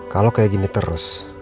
kalau kayak gini terus